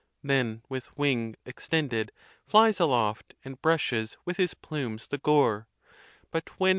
then with wing extended flies Aloft, and brushes with his plumes the gore: But when.